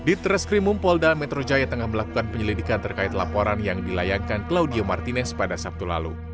di treskrimum polda metro jaya tengah melakukan penyelidikan terkait laporan yang dilayangkan claudio martinez pada sabtu lalu